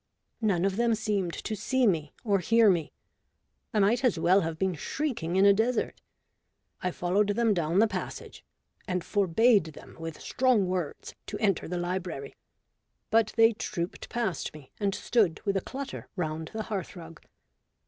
None of them seemed to see me or hear me : I might as well have been shrieking in a desert. I followed them down the passage, and forbade them with strong words to enter the library. But they trooped past me, and stood with a clutter round the hearth rug.